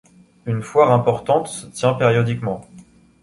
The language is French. Une foire importante se tient périodiquement.